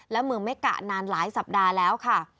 และเมืองเมกะนานหลายสัปดาห์แล้วค่ะ